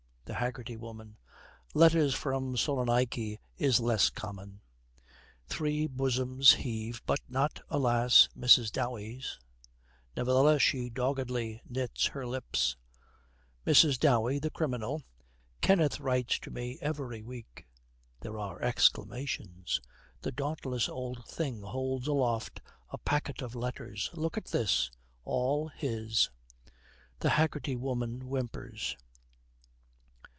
THE HAGGERTY WOMAN. 'Letters from Salonaiky is less common.' Three bosoms heave, but not, alas, Mrs. Dowey's. Nevertheless she doggedly knits her lips. MRS. DOWEY, the criminal, 'Kenneth writes to me every week.' There are exclamations. The dauntless old thing holds aloft a packet of letters. 'Look at this. All his.' The Haggerty Woman whimpers.